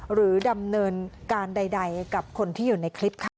หรือดำเนินการใดกับคนที่อยู่ในคลิปค่ะ